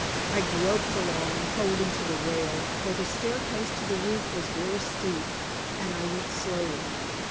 I groped along, holding to the rail, for the staircase to the roof was very steep, and I went slowly.